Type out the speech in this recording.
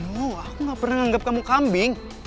no aku gak pernah anggap kamu kambing